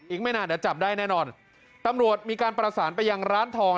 อีกไม่นานเดี๋ยวจับได้แน่นอนตำรวจมีการประสานไปยังร้านทอง